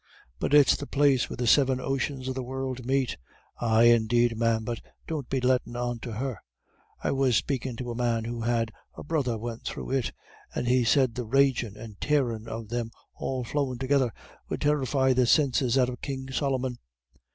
But it's the place where the Seven Oceans of the World meet. Ay, indeed, ma'am but don't be lettin' on to her. I was spakin' to a man who had a brother went through it, and he said the ragin' and tearin' of them all flowin' together 'ud terrify the sinses out of King Solomon.